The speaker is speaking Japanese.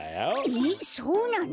えそうなの！？